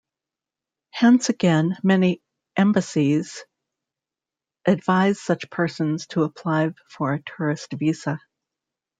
Hence again, many embassies advise such persons to apply for a tourist visa.